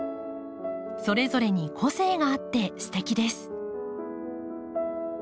それぞれに個性があってすてきです。